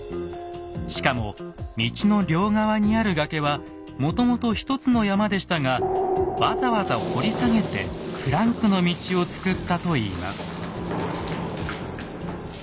しかも道の両側にある崖はもともと一つの山でしたがわざわざ掘り下げてクランクの道をつくったといいます。